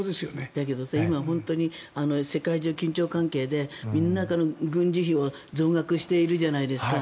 だけど本当に世界中、緊張関係でみんなが軍事費を増額しているじゃないですか。